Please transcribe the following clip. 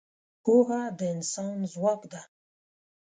پوهه د انسان ځواک ده.